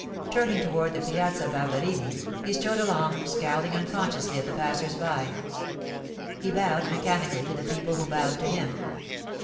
Turning toward the Piazza Barberini, he strode along, scowling unconsciously at the passers by. He bowed mechanically to the people who bowed to him.